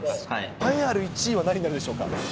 栄えある１位は何になるんでしょうか。